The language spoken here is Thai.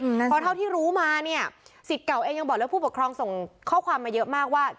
เพราะเท่าที่รู้มาเนี่ยสิทธิ์เก่าเองยังบอกเลยผู้ปกครองส่งข้อความมาเยอะมากว่า